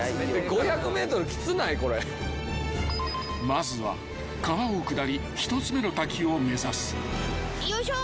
［まずは川を下り１つ目の滝を目指す］よいしょ。